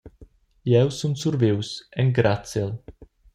Jeu sun survius, engraziel.